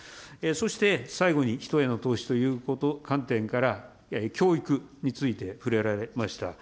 そして最後に、人への投資という観点から、教育について触れられました。